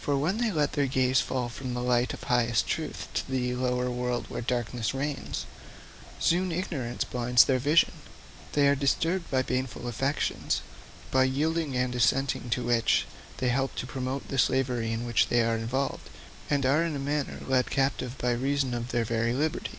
For when they let their gaze fall from the light of highest truth to the lower world where darkness reigns, soon ignorance blinds their vision; they are disturbed by baneful affections, by yielding and assenting to which they help to promote the slavery in which they are involved, and are in a manner led captive by reason of their very liberty.